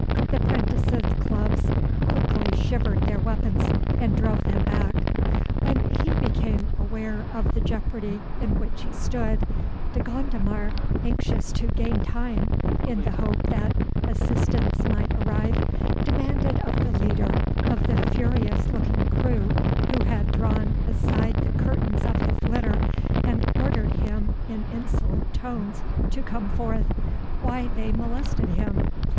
The 'prentices' clubs quickly shivered their weapons, and drove them back. When he became aware of the jeopardy in which he stood, De Gondomar, anxious to gain time, in the hope that assistance might arrive, demanded of the leader of the furious looking crew who had drawn aside the curtains of his litter, and ordered him in insolent tones to come forth, why they molested him.